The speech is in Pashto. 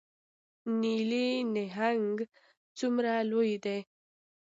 نیلي نهنګ څومره لوی دی؟